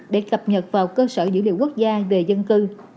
để cập nhật vào cơ sở dữ liệu quốc gia về dân cư